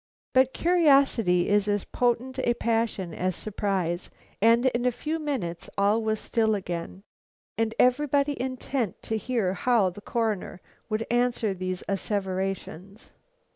But curiosity is as potent a passion as surprise, and in a few minutes all was still again and everybody intent to hear how the Coroner would answer these asseverations.